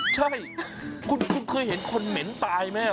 ใช่คุณเคยเห็นคนเหม็นตายไหม